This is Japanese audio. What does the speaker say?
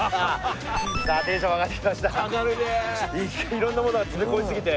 いろんなものが詰め込み過ぎて。